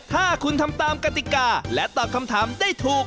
ถ้าคุณทำตามกติกาและตอบคำถามได้ถูก